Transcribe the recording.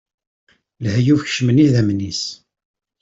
Lehyuf kecmen idammen-is.